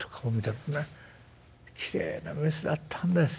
きれいなメスだったんです。